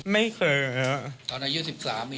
ไม่เคยเลยครับ